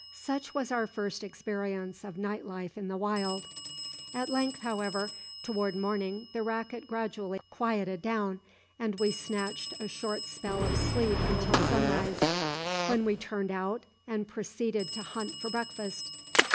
Such was our first experience of night life in the wild. "At length, however, toward morning the racket gradually quieted down, and we snatched a short spell of sleep until sunrise, when we turned out and proceeded to hunt for breakfast.